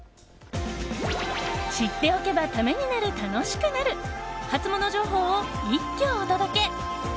知っておけばためになる、楽しくなるハツモノ情報を一挙お届け。